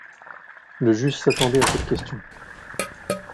Le juge s’attendait à cette question.